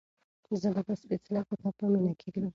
زه به دا سپېڅلی کتاب په مینه کېږدم.